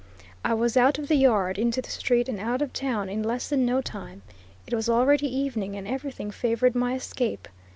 I was out of the yard, into the street, and out of town in less than no time. It was already evening, and everything favored my escape.